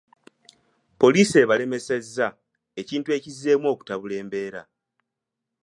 Poliisi ebalemesezza, ekintu ekizzeemu okutabula embeera.